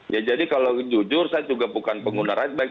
ya jadi kalau jujur saya juga bukan pengguna rideback